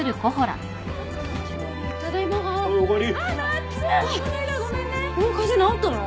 もう風邪治ったの？